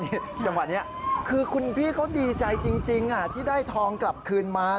จังหวะนี้คือคุณพี่เขาดีใจจริงที่ได้ทองกลับคืนมา